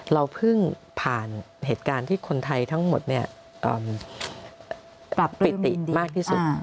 เราเพิ่งผ่านเหตุการณ์ที่คนไทยทั้งหมดปรับปิติมากที่สุด